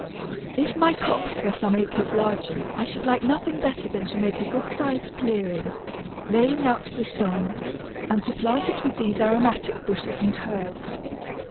If my copse were some acres larger I should like nothing better than to make a good sized clearing, laying out to the sun, and to plant it with these aromatic bushes and herbs.